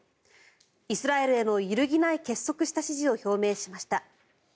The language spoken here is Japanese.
イスラエルへの揺るぎない結束した支持を表明しました。